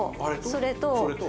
それと？